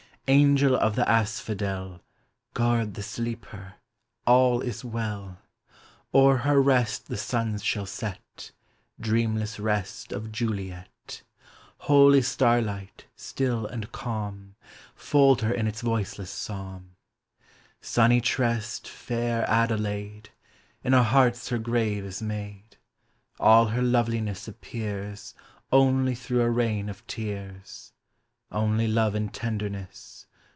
Angel of the Asphodel Guard the sleeper — all is well ! O'er her rest the suns shall set, Dreamless rest of Juliet ; Holy starlight, still and calm, Fold her in its voiceless psalm. Sunny tressed, fair Adelaide ! In our hearts her grave is made. All her loveliness appears Only through a rain of tears. Only love and tenderness.